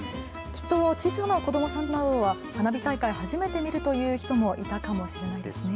きっと小さな子どもさんなどは花火大会、初めて見るという人もいたかもしれないですね。